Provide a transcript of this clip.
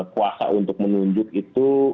kuasa untuk menunjuk itu